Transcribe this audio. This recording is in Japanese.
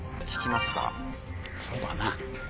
そうだな。